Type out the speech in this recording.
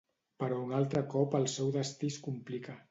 Però un altre cop el seu destí es complicà.